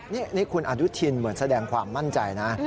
นี่คุณอนุทินเหมือนแสดงความมั่นใจนะ